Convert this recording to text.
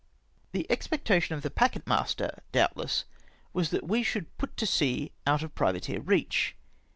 The expectation of the packet master, doubtless, was that we should put to sea out of privateer reach.